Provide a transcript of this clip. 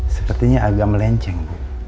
sepertinya agak melenceng